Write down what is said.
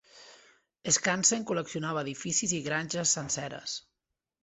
Skansen col·leccionava edificis i granges senceres.